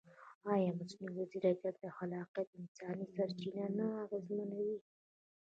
ایا مصنوعي ځیرکتیا د خلاقیت انساني سرچینه نه اغېزمنوي؟